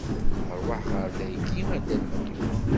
Rwaḥ ɣer dayi a Dda Lmulud!